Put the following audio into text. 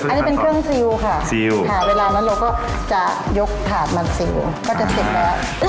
ค่ะเวลานั้นเราก็จะยกถาดมันซิวก็จะเสร็จแล้ว